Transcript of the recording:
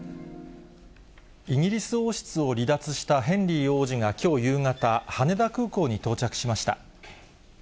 イギリス王室を離脱したヘンリー王子がきょう夕方、羽田空港に到着しました。